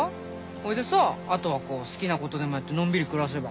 それでさあとはこう好きなことでもやってのんびり暮らせば。